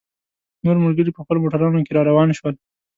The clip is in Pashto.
نور ملګري په خپلو موټرانو کې را روان شول.